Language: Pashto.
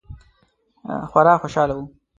خورا خوشحاله وه.